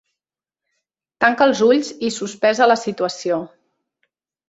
Tanca els ulls i sospesa la situació.